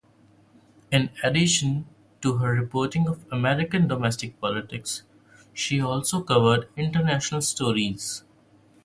In addition to her reporting of American domestic politics, she also covered international stories.